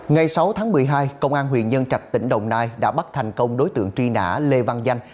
ngày sáu tháng một mươi hai công an huyện nhân trạch tỉnh đồng nai đã bắt thành công đối tượng truy nã lê văn danh